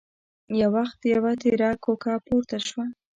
يو وخت يوه تېره کوکه پورته شوه.